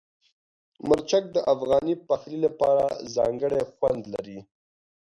مرچک د افغاني پخلي لپاره ځانګړی خوند لري.